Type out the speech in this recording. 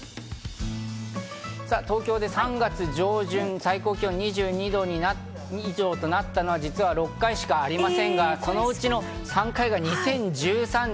東京で３月上旬、最高気温が２２度以上となったのは実は、６回しかありませんが、そのうちの３回が２０１３年。